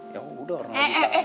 ya udah orang orang bisa